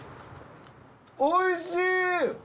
おいしい！